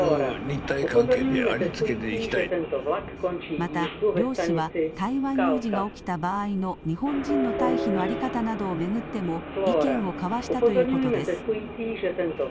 また両氏は台湾有事が起きた場合の日本人の退避の在り方などを巡っても意見を交わしたということです。